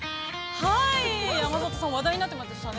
◆はい、山里さん、話題になってましたね。